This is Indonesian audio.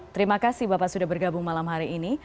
terima kasih bapak sudah bergabung malam hari ini